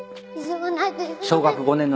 小学５年の夏